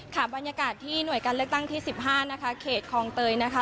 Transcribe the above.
บรรยากาศที่หน่วยการเลือกตั้งที่๑๕นะคะเขตคลองเตยนะคะ